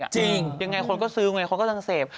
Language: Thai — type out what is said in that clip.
จริงอย่างไรคนก็ซื้อเงินคนก็ตั้งเสพ